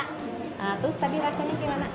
lalu tadi rasanya gimana